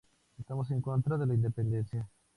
Estamos en contra de la independencia.